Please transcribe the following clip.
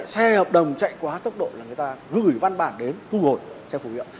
xe hợp đồng chạy quá tốc độ là người ta gửi văn bản đến thu hồi xe phù hiệu